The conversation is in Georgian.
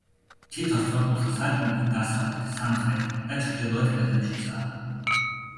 თითო სწორკუთხა სარკმელი დასავლეთ სამხრეთ და ჩრდილოეთ კედლებშიცაა.